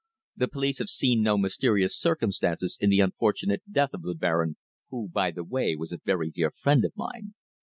"The police have seen no mysterious circumstances in the unfortunate death of the Baron, who, by the way, was a very dear friend of mine.